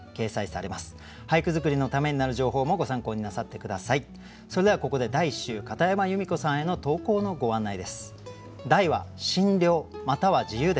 それではここで第１週片山由美子さんへの投稿のご案内です。